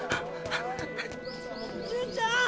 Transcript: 純ちゃん！！